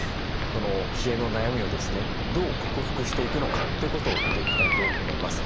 その冷えの悩みをですねどう克服していくのかということを見ていきたいと思います。